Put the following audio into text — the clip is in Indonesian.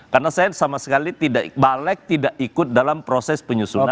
karena saya sama sekali balek tidak ikut dalam proses penyusulan